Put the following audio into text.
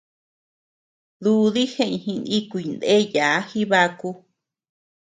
Dúdi jeʼeñ jinikuy ndeayaa Jibaku.